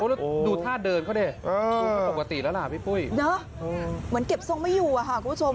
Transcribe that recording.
แล้วดูท่าเดินเขาดิดูมันปกติแล้วล่ะพี่ปุ้ยเหมือนเก็บทรงไม่อยู่อะค่ะคุณผู้ชม